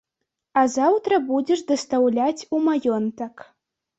А заўтра будзеш дастаўляць у маёнтак.